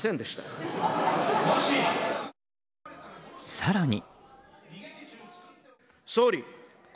更に。